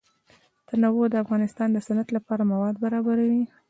تنوع د افغانستان د صنعت لپاره مواد برابروي.